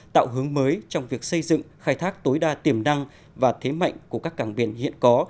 tạo hướng mới trong việc xây dựng khai thác tối đa tiềm năng và thế mạnh của các cảng biển hiện có